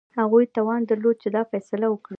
هغوی توان درلود چې دا فیصله وکړي.